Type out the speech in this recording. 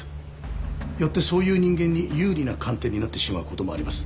よってそういう人間に有利な鑑定になってしまう事もあります。